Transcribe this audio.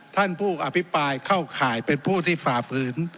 ท่านผู้อภิปรายเข้าข่ายเป็นผู้ที่ฝ่าฝืน